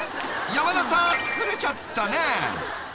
山田さんずれちゃったね］